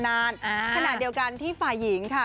ขณะเดียวกันที่ฝ่ายหญิงค่ะ